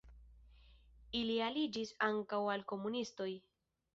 Ili aliĝis ankaŭ al komunistoj.